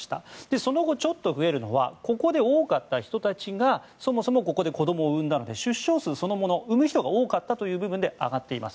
その後、ちょっと増えるのはここで多かった人たちがそもそもここで子供を産んだので出生数そのもの産む人が多かったということで上がっています。